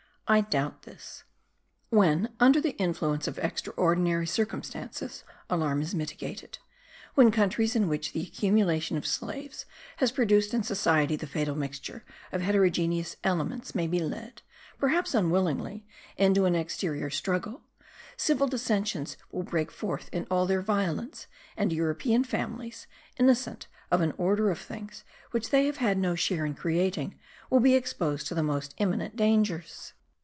I doubt this. When, under the influence of extraordinary circumstances, alarm is mitigated, when countries in which the accumulation of slaves has produced in society the fatal mixture of heterogeneous elements may be led, perhaps unwillingly, into an exterior struggle, civil dissensions will break forth in all their violence and European families, innocent of an order of things which they have had no share in creating, will be exposed to the most imminent dangers.